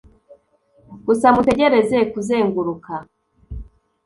gusa mutegereze '' kuzenguruka